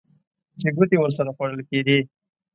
چې ګوتې ورسره خوړل کېدې.